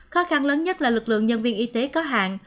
khó khăn lớn nhất là lực lượng nhân viên y tế có hạn